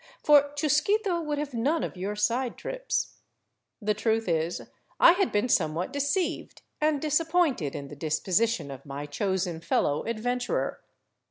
For Chusquito would have none of your side trips. The truth is I had been somewhat deceived and disappointed in the disposition of my chosen fellow adventurer.